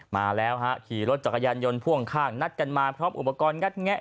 มาแล้วฮะขี่รถจักรยานยนต์พ่วงข้างนัดกันมาพร้อมอุปกรณ์งัดแงะ